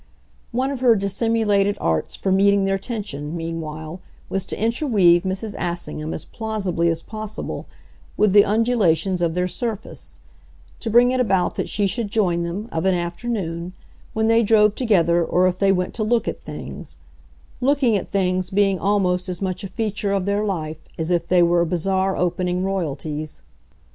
One of her dissimulated arts for meeting their tension, meanwhile, was to interweave Mrs. Assingham as plausibly as possible with the undulations of their surface, to bring it about that she should join them, of an afternoon, when they drove together or if they went to look at things looking at things being almost as much a feature of their life as if they were bazaar opening royalties.